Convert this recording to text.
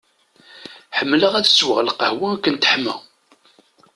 Ḥemmleɣ ad sweɣ lqahwa akken teḥma.